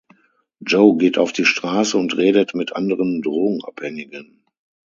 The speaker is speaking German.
Joe geht auf die Straße und redet mit anderen Drogenabhängigen.